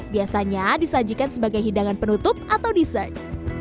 biasanya disajikan sebagai hidangan penutup atau dessert